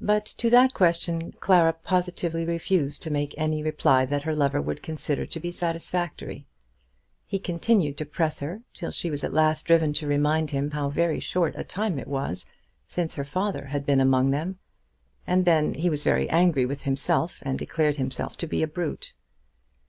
But to that question Clara positively refused to make any reply that her lover would consider to be satisfactory. He continued to press her till she was at last driven to remind him how very short a time it was since her father had been among them; and then he was very angry with himself, and declared himself to be a brute.